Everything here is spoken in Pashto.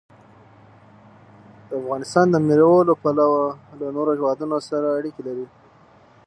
افغانستان د مېوو له پلوه له نورو هېوادونو سره اړیکې لري.